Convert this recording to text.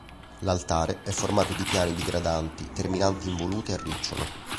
L'altare è formato di piani digradanti terminanti in volute a ricciolo.